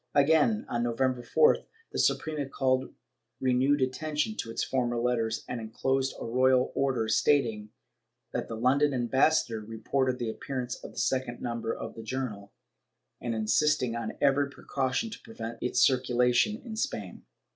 Again, on November 4th, the Suprema called renewed attention to its former letters and enclosed a royal order stating that the London ambassador reported the appearance of the second number of the journal, and insisting on every precaution to prevent its circulation in Spain.